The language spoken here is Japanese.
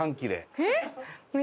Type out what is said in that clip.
えっ！